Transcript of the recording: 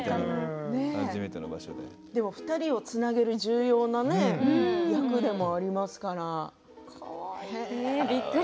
２人をつなげる重要な役でもありますから。